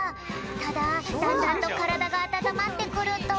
ただだんだんとからだがあたたまってくると。